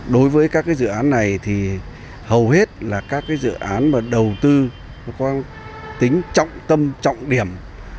đối với các dự án này thì hầu hết là các dự án mà đầu tư có tính trọng tâm trọng điểm